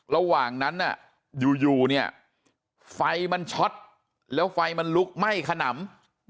ระหว่างนั้นอยู่เนี่ยไฟมันช็อตแล้วไฟมันลุกไหม้ขนำ